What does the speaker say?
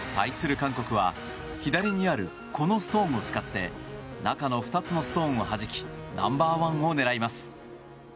韓国は左にあるこのストーンを使って中の２つのストーンをはじきナンバーワンを狙います。